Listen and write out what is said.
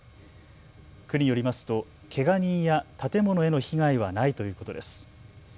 区によりますとけが人や建物への被害はないということです。